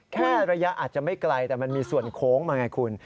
แค่ระยะอาจจะไม่ไกลแต่มันมีส่วนโค้งมาไงคุณ